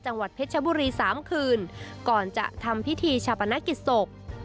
จังหวัดเพชรชบุรี๓คืนก่อนจะทำพิธีชาปนกิจศพ